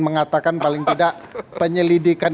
mengatakan paling tidak penyelidikan